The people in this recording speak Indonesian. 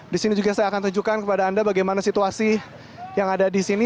di sini juga saya akan tunjukkan kepada anda bagaimana situasi yang ada di sini